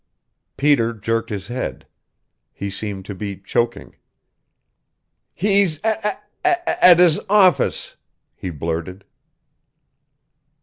Peter jerked his head. He seemed to be choking. "He's a a a a at his office," he blurted.